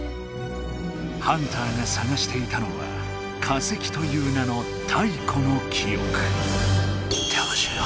ハンターがさがしていたのは化石という名の太古の記おく。